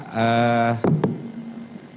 menyingkat waktu saya minta